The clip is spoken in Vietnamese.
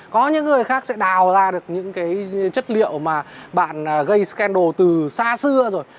có những người khác sẽ đào ra được những cái chất liệu mà bạn gây scandle từ xa xưa rồi